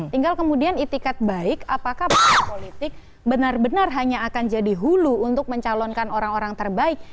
tinggal kemudian itikat baik apakah partai politik benar benar hanya akan jadi hulu untuk mencalonkan orang orang terbaik